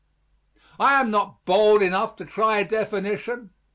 I am not bold enough to try a definition.